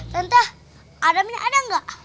tante adamnya ada enggak